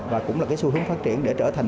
và cũng là cái xu hướng phát triển để trở thành